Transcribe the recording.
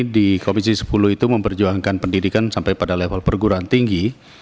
di komisi sepuluh itu memperjuangkan pendidikan sampai pada level perguruan tinggi